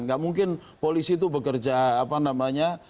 nggak mungkin polisi itu bekerja apa namanya